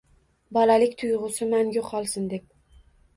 Bolalik tuygusi mangu kolsin deb